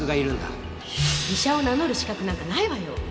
医者を名乗る資格なんかないわよ！